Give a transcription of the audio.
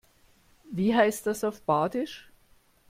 Was heißt das auf Badisch?